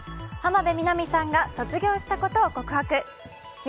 浜辺美波さんが卒業したことを告白。